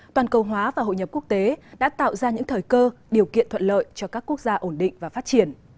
toàn cầu hóa và hội nhập quốc tế đã tạo ra những thời cơ điều kiện thuận lợi cho các quốc gia ổn định và phát triển